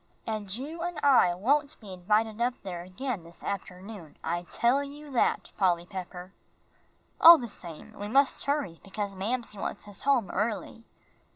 And you and I won't be invited up there again this afternoon, I tell you that, Polly Pepper. All the same, we must hurry, because Mamsie wants us home early."